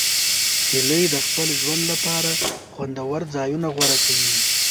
هیلۍ د خپل ژوند لپاره خوندور ځایونه غوره کوي